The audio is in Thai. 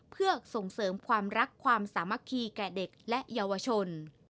เพื่อส่งเสริมความรักความสามัคคีแก่เด็กและเยาวชน